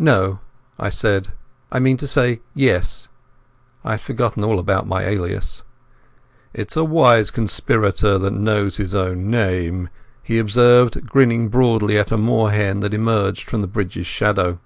"No," I said. "I mean to say, Yes." I had forgotten all about my alias. "It's a wise conspirator that knows his own name," he observed, grinning broadly at a moor hen that emerged from the bridge's shadow.